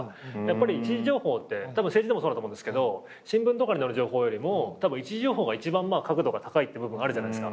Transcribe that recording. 一次情報ってたぶん政治でもそうだと思うんですけど新聞とかに載る情報よりも一次情報が一番確度が高いって部分あるじゃないですか。